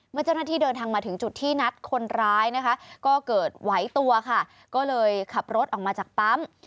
เจ้าหน้าที่เดินทางมาถึงจุดที่นัดคนร้ายนะคะก็เกิดไหวตัวค่ะก็เลยขับรถออกมาจากปั๊ม